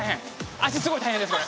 足すごい大変ですこれ。